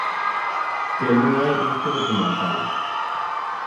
Que non hai resto documental.